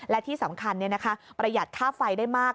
และที่สำคัญประหยัดค่าไฟได้มาก